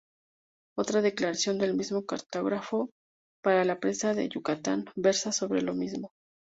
Otra declaración del mismo cartógrafo, para la prensa de Yucatán, versa sobre lo mismo.